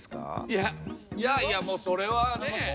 いやいやいやもうそれはねえ。